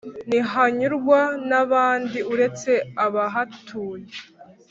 Ntihanyurwa n'abandi uretse abahatuye